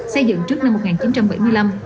xây dựng trước năm một nghìn chín trăm bảy mươi năm